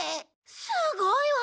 すごいわ！